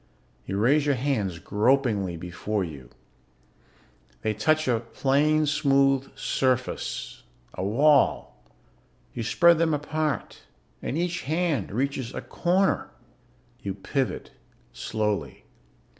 You raise your hands gropingly before you. They touch a plain smooth surface, a wall. You spread them apart and each hand reaches a corner. You pivot slowly.